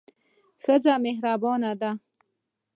ښځه مهربانه ده.